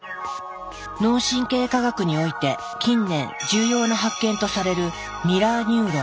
脳神経科学において近年重要な発見とされる